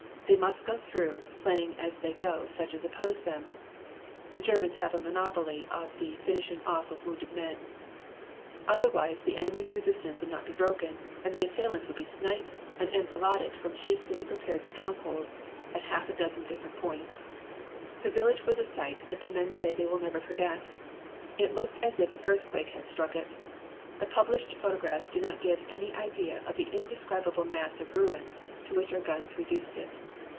They must go through, slaying as they go such as oppose them (the Germans have a monopoly of the finishing off of wounded men), otherwise the enemy's resistance would not be broken, and the assailants would be sniped and enfiladed from hastily prepared strongholds at half a dozen different points. "The village was a sight that the men say they will never forget. It looked as if an earthquake had struck it. The published photographs do not give any idea of the indescribable mass of ruins to which our guns reduced it.